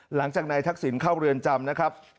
หลังจากนายทักษิณเข้าเรือนจำนะครับ